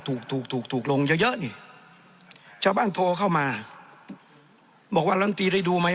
ถูกถูกลงเยอะเยอะนี่ชาวบ้านโทรเข้ามาบอกว่าลำตีได้ดูไหม